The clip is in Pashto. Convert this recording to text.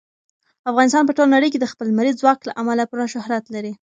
افغانستان په ټوله نړۍ کې د خپل لمریز ځواک له امله پوره شهرت لري.